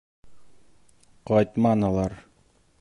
Ҡайтманылар.